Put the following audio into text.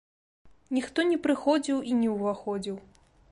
Ніхто не прыходзіў і не ўваходзіў.